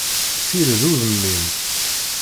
Sired udem-im!